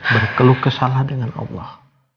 berkeluh kesalah dengan allah